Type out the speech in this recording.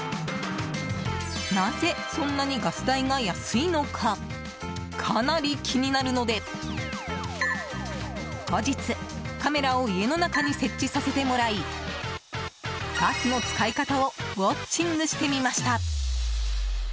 なぜ、そんなにガス代が安いのかかなり気になるので後日、カメラを家の中に設置させてもらいガスの使い方をウォッチングしてみました。